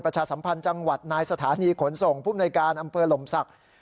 สัมพันธ์จังหวัดนายสถานีขนส่งภูมิในการอำเภอหลมศักดิ์